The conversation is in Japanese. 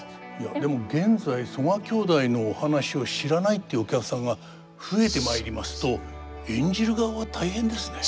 でも現在曽我兄弟のお話を知らないっていうお客さんが増えてまいりますと演じる側は大変ですね。